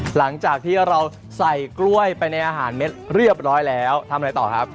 หลังจากที่เราใส่กล้วยไปในอาหารเม็ดเรียบร้อยแล้วทำอะไรต่อครับ